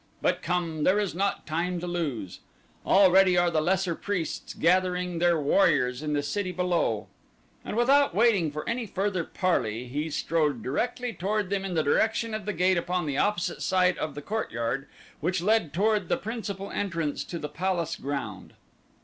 But come, there is not time to lose. Already are the lesser priests gathering their warriors in the city below," and without waiting for any further parley he strode directly toward them in the direction of the gate upon the opposite side of the courtyard which led toward the principal entrance to the palace ground.